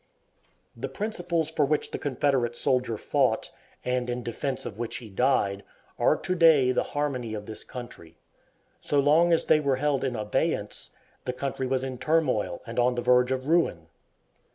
The principles for which the Confederate soldier fought, and in defense of which he died, are to day the harmony of this country. So long as they were held in abeyance, the country was in turmoil and on the verge of ruin.